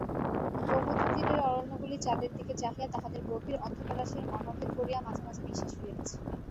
গোমতীতীরের অরণ্যগুলি চাঁদের দিকে চাহিয়া তাহাদের গভীর অন্ধকাররাশির মর্মভেদ করিয়া মাঝে মাঝে নিশ্বাস ফেলিতেছে।